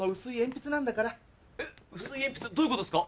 薄い鉛筆どういうことですか？